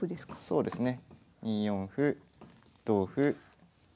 そうですね。